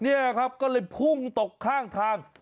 นี่ครับก็เลยพุ่งตกข้างทาง